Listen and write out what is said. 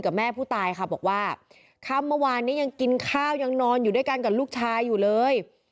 แม่ผู้ตายค่ะบอกว่าค่ำเมื่อวานนี้ยังกินข้าวยังนอนอยู่ด้วยกันกับลูกชายอยู่เลย